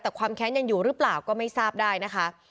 แต่ความแค้นยังอยู่หรือเปล่าก็ไม่ทราบได้นะคะ